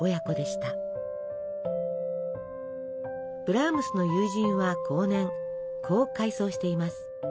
ブラームスの友人は後年こう回想しています。